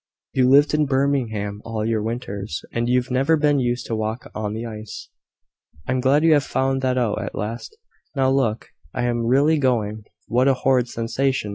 You've lived in Birmingham all your winters, and you've never been used to walk on the ice." "I am glad you have found that out at last. Now, look I am really going. What a horrid sensation!"